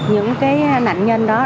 những cái nạn nhân đó